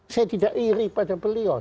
saya tidak iri pada beliau